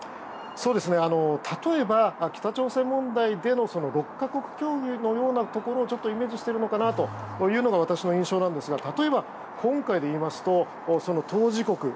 例えば、北朝鮮問題での６か国協議のようなところをイメージしているのかなというのが私の印象ですが例えば今回で言いますと当事国